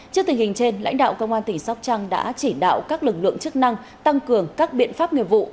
trước tình hình trên lãnh đạo công an tỉnh sóc trăng đã chỉ đạo các lực lượng chức năng tăng cường các biện pháp nghiệp vụ